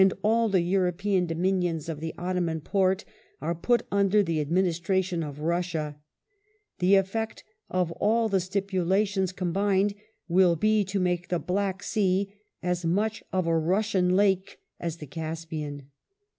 all the European dominions of the Ottoman Porte are ... put under the administration of Russia ... the effect of all the stipulations com bined will be to make the Black Sea as much a Russian lake as the Caspian